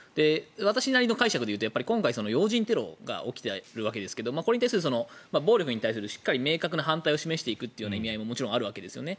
私なりの解釈で言うと今回要人テロが起きているわけですけどこれに対する暴力に対するしっかり明確な反対を示していくっていう意味合いももちろんあるわけですよね。